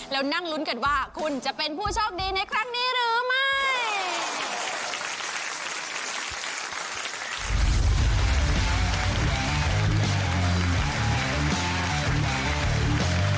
แล้วนั่งลุ้นกันว่าคุณจะเป็นผู้โชคดีในครั้งนี้หรือไม่